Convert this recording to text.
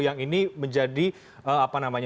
yang ini menjadi apa namanya